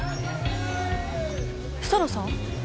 設楽さん？